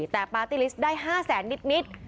แต่ปาร์ตี้ลิสต์ได้๕แสนนิด